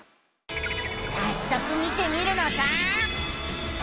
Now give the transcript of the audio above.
さっそく見てみるのさあ。